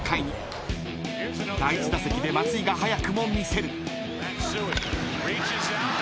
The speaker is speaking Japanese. ［第１打席で松井が早くも見せる］